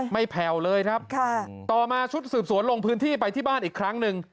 แผ่วเลยครับต่อมาชุดสืบสวนลงพื้นที่ไปที่บ้านอีกครั้งหนึ่ง